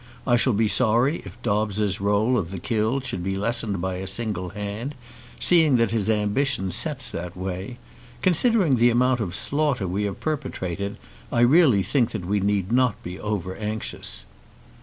I shall be sorry if Dobbes's roll of the killed should be lessened by a single hand, seeing that his ambition sets that way. Considering the amount of slaughter we have perpetrated, I really think that we need not be over anxious."